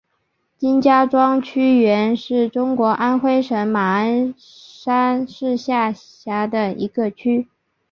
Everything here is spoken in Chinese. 金家庄区原是中国安徽省马鞍山市下辖的一个区。